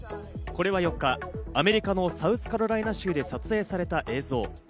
これは４日、アメリカのサウスカロライナ州で撮影された映像。